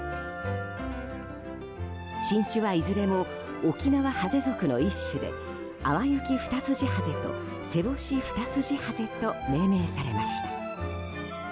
新種はいずれもオキナワハゼ属の一種でアワユキフタスジハゼとセボシフタスジハゼと命名されました。